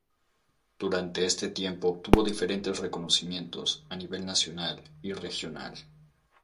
Durante este tiempo obtuvo diferentes reconocimientos a nivel nacional y regional.